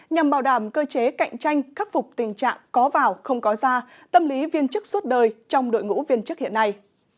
nhằm bảo đảm cơ chế cạnh tranh khắc phục tình trạng có vào không có ra tâm lý viên chức suốt đời trong đội ngũ viên chức hiện nay